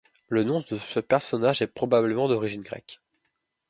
Le nom de ce personnage est probablement d'origine grecque.